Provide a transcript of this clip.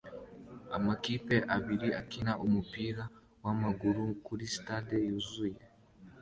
Amakipe abiri akina umupira wamaguru kuri stade yuzuye